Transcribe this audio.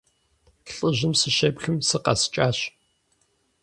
ЛӀыжьым сыщеплъым, сыкъэскӀащ.